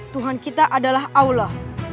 tuhan kita adalah allah